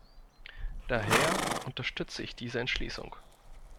Daher unterstütze ich diese Entschließung.